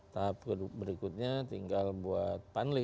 tahap berikutnya tinggal buat panli